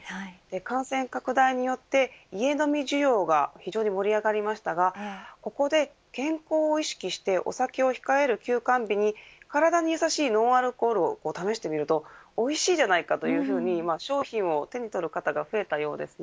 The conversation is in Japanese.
感染拡大によって家飲み需要が盛り上がりましたがここで健康を意識してお酒を控える休肝日に体にやさしいノンアルコールを試してみるとおいしいというふうに商品を手に取る方が増えたようです。